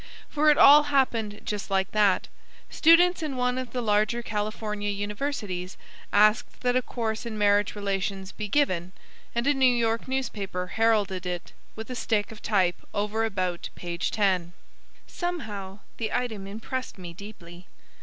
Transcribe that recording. For it all happened just like that. Students in one of the larger California universities asked that a course in marriage relations be given and a New York newspaper heralded it with a stick of type over about page 10. Somehow the item impressed me deeply.